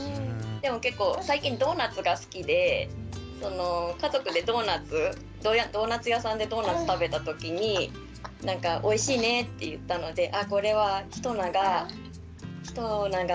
でも結構最近ドーナツが好きで家族でドーナツドーナツ屋さんでドーナツ食べたときに「おいしいね」って言ったのであ